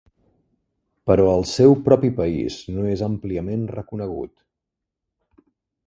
Però al seu propi país no és àmpliament reconegut.